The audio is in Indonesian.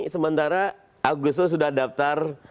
sementara aguso sudah daftar